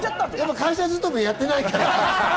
会社勤め、やってないから。